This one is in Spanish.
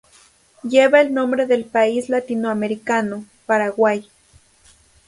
Lleva el nombre del país latinoamericano, Paraguay.